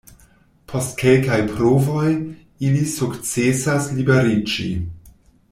Post kelkaj provoj, ili sukcesas liberiĝi.